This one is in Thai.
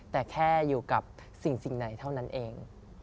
แต่แค่อยู่กับสิ่งไหนเท่านั้นเอง